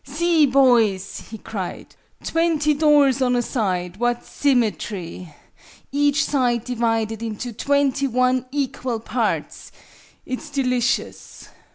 "See, boys!" he cried. "Twenty doors on a side! What symmetry! Each side divided into twenty one equal parts! It's delicious!"